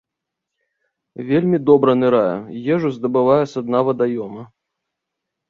Вельмі добра нырае, ежу здабывае са дна вадаёма.